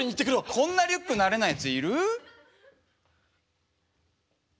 こんなリュック慣れないやついる？